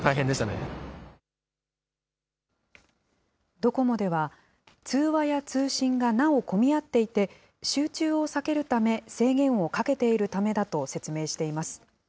ドコモでは、通話や通信がなお混み合っていて、集中を避けるため制限をかけているためだと説明しています。